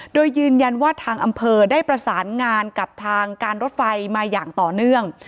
โดยยืนยันว่าทางอำเภอได้ประสานงานกับทางการรถไฟมาอย่างต่อเนื่อง